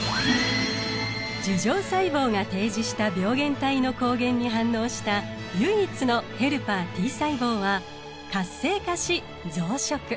樹状細胞が提示した病原体の抗原に反応した唯一のヘルパーＴ細胞は活性化し増殖。